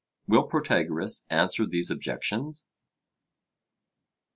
Will Protagoras answer these objections?